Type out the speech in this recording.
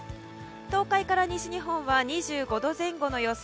東海から西日本は２５度前後の予想。